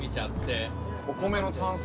お米の炭酸。